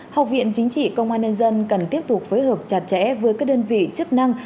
học viện chính trị công an nhân dân cần tiếp tục phối hợp chặt chẽ với các đơn vị chức năng